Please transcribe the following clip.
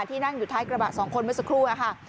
ที่นั่งอยู่ท้ายกระบะสองคนเมื่อสักครู่ค่ะ